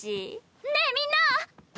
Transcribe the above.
ねえみんな。